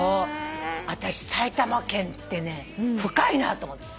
あたし埼玉県ってね深いなと思って。